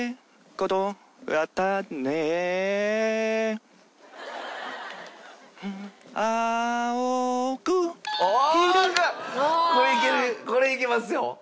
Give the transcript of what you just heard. これいけますよ。